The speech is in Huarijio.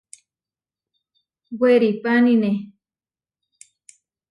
Weripánine.